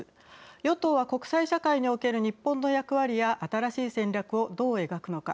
与党は国際社会における日本の役割や新しい戦略をどう描くのか。